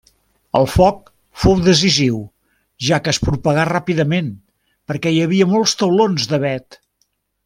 El foc fou decisiu, ja que es propagà ràpidament, perquè hi havia molts taulons d'avet.